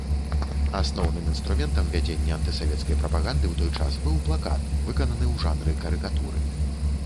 Асноўным інструментам вядзення антысавецкай прапаганды ў той час быў плакат, выкананы ў жанры карыкатуры.